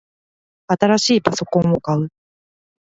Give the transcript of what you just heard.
新しいパソコンを買う